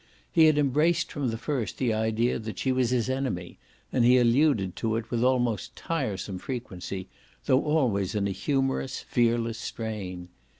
He had embraced from the first the idea that she was his enemy, and he alluded to it with almost tiresome frequency, though always in a humorous fearless strain.